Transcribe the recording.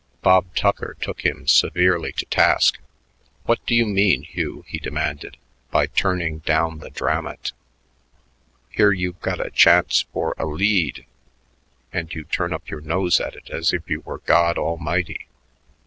Bob Tucker took him severely to task. "What do you mean, Hugh," he demanded, "by turning down the Dramat? Here you've got a chance for a lead, and you turn up your nose at it as if you were God Almighty.